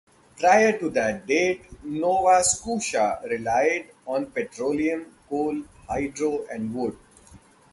Prior to that date, Nova Scotia relied on petroleum, coal, hydro, and wood.